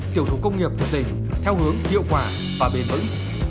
tiểu thủ công nghiệp của tỉnh theo hướng hiệu quả và bền vững